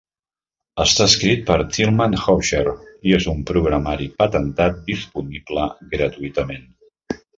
Està escrit per Tilman Hausherr i és un programari patentat disponible gratuïtament.